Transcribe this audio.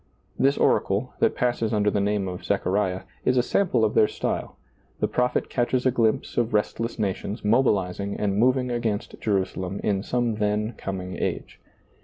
This oracle, that passes under the name of Zechariah, is a sample of their style : the prophet catches a glimpse of restless nations mobilizing and moving against Jerusalem in some then com ing age.